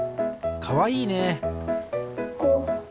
かわいいね！